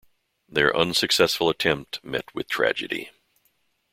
Their unsuccessful attempt met with tragedy.